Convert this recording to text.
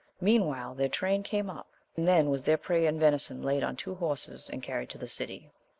Meanwhile their train came up, and then was their prey and venison laid on two horses and carried to the city.